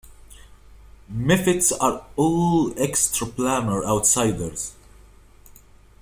Mephits are all extraplanar outsiders.